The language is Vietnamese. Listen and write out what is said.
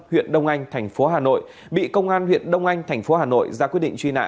huyện đông anh thành phố hà nội bị công an huyện đông anh thành phố hà nội ra quyết định truy nã